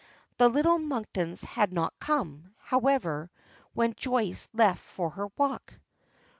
The little Monktons had not come, however, when Joyce left for her walk.